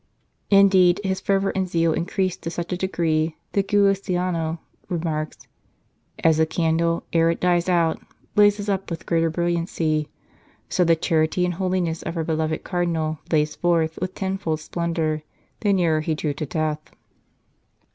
222 " What went you out to see ?" Indeed, his fervour and zeal increased to such a degree that Giussano remarks :" As a candle, ere it dies out, blazes up with greater brilliancy, so the charity and holiness of our beloved Cardinal blazed forth with tenfold splendour, the nearer he drew to death."